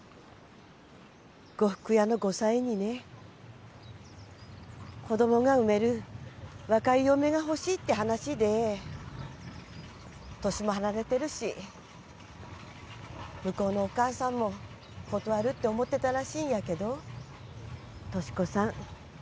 呉服屋の後妻にね子供が産める若い嫁が欲しいって話でえ年も離れてるし向こうのお母さんも断るって思ってたらしいんやけど俊子さん